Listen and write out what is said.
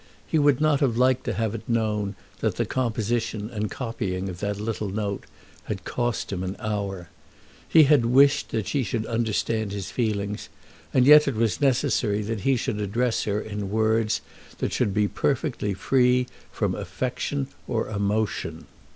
He would not have liked to have had it known that the composition and copying of that little note had cost him an hour. He had wished that she should understand his feelings, and yet it was necessary that he should address her in words that should be perfectly free from affection or emotion.